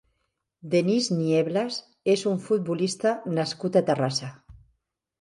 Dennis Nieblas és un futbolista nascut a Terrassa.